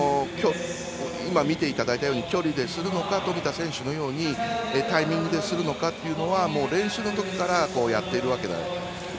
今見ていただいたように距離でするのか富田選手のようにタイミングでするのかというのは練習のときからやっているわけで。